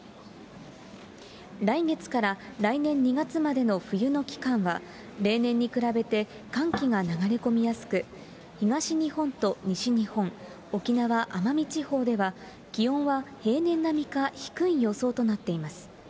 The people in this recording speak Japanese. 来月から来年２月までの冬の期間は、例年に比べて寒気が流れ込みやすく、東日本と西日本、沖縄・奄美地方では、気温は平年並みか低い予想となっています。